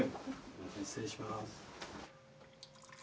失礼します。